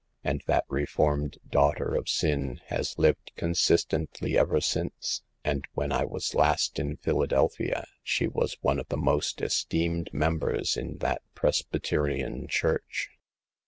And that reformed daughter of sin has lived consistently ever since, and when I last was in Philadelphia, she was one of the most esteemed members in that Presbyterian church."